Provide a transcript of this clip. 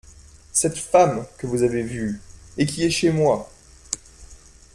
Cette femme que vous avez vue … Et qui est chez moi.